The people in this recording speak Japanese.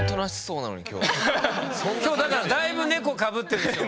こんな今日だからだいぶ猫かぶってるでしょ。